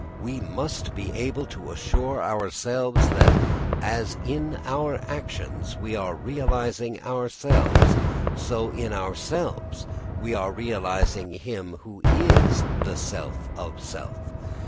We must be able to assure ourselves that as in our actions we are realising ourselves, so in ourselves we are realising him who is the self of self.